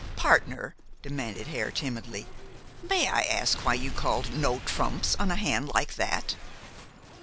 "Partner," demanded Hare timidly, "may I ask why you called 'no trumps' on a hand like that?"